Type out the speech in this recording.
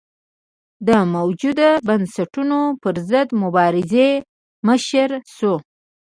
د موجوده بنسټونو پرضد مبارزې مشر شو.